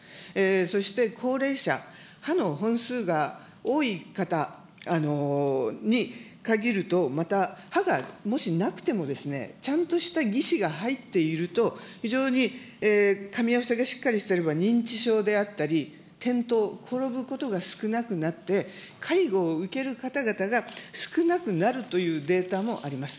そして、高齢者、歯の本数が多い方に限ると、また歯がもしなくても、ちゃんとした義歯が入っていると、非常にかみ合わせがしっかりしていれば、認知症であったり、転倒、転ぶことが少なくなって、介護を受ける方々が少なくなるというデータもあります。